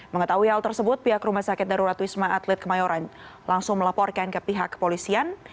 mengetahui hal tersebut pihak rumah sakit darurat wisma atlet kemayoran langsung melaporkan ke pihak kepolisian